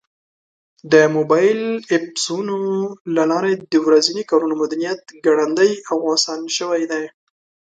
د موبایل ایپسونو له لارې د ورځني کارونو مدیریت ګړندی او اسان شوی دی.